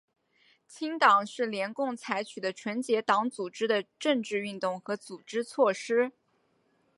清党是联共采取的纯洁党组织的政治运动和组织措施。